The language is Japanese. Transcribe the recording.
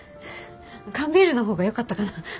缶ビールの方がよかったかな。